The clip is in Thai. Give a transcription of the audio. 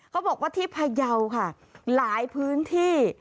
เขาบอกว่าที่พยาวค่ะหลายพื้นที่